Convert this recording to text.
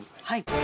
はい。